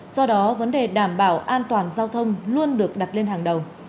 do đó vấn đề đảm bảo an toàn giao thông luôn được đặt lên hàng đầu